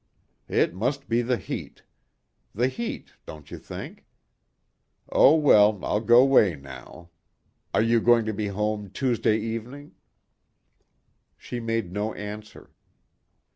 "It must be the heat. The heat, don't you think? Oh well, I'll go way now. Are you going to be home Tuesday evening?" She made no answer.